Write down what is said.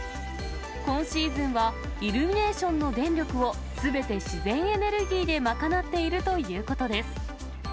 今シーズンはイルミネーションの電力をすべて自然エネルギーで賄っているということです。